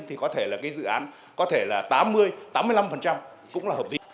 thì có thể là cái dự án có thể là tám mươi tám mươi năm cũng là hợp dịch